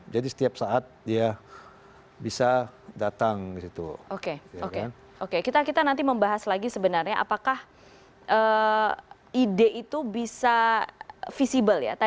jadi setiap saat dia bisa datang ke situ oke oke kita nanti membahas lagi sebenarnya apakah ide itu bisa visible ya